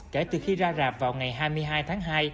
kể từ khi ra rạp vào ngày hai mươi hai tháng hai